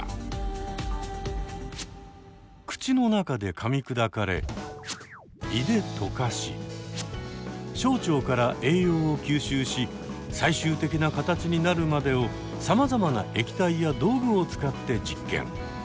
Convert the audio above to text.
口の中でかみ砕かれ胃で溶かし小腸から栄養を吸収し最終的な形になるまでをさまざまな液体や道具を使って実験。